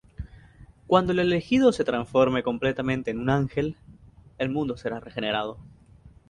Cuando el Elegido se transforme completamente en un ángel, el mundo será regenerado.